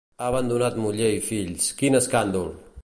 Ha abandonat muller i fills: quin escàndol!